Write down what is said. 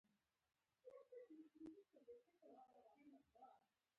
بېل يې واخيست.